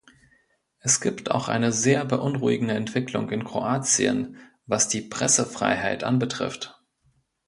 Es gibt auch eine sehr beunruhigende Entwicklung in Kroatien, was die Pressefreiheit anbetrifft.